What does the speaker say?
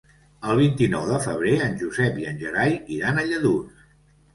El vint-i-nou de febrer en Josep i en Gerai iran a Lladurs.